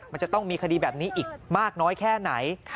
มันจะต้องมีคดีแบบนี้อีกมากน้อยแค่ไหน